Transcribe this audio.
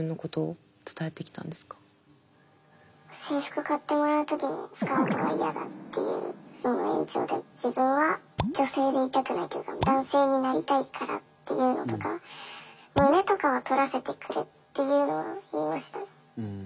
制服買ってもらう時も「スカートは嫌だ」って言うのの延長で「自分は女性でいたくない」というか「男性になりたいから」っていうのとか「胸とかはとらせてくれ」っていうのは言いました。